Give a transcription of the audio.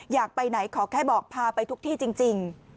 อยากไปไหนขอแค่บอกพาไปทุกที่จริง